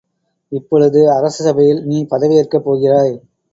இப்பொழுது, அரச சபையில் நீ பதவியேற்கப் போகிறாய்.